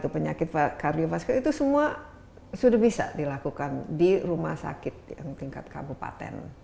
penyakit kardiopatetik itu semua sudah bisa dilakukan di rumah sakit tingkat kabupaten